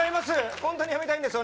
本当にやめたいんです。